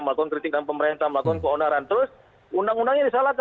melakukan kritik dan pemerintah melakukan keonaran terus undang undangnya disalahkan